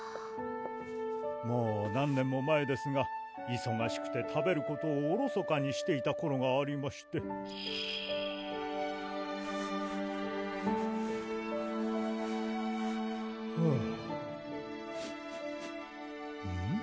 もう何年も前ですがいそがしくて食べることをおろそかにしていた頃がありましてふぅ